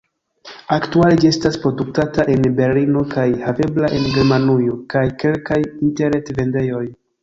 Aktuale ĝi estas produktata en Berlino kaj havebla en Germanujo kaj kelkaj interret-vendejoj.